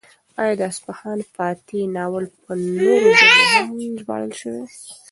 ایا د اصفهان فاتح ناول په نورو ژبو هم ژباړل شوی؟